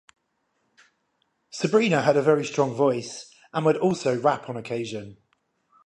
Sabrina had a very strong voice and would also rap on occasion.